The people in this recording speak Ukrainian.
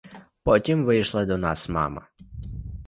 Потім вийшли до нас мама.